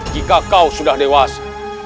jika kau sudah dewasa